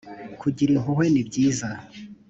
kugira impuhwe nibyiza.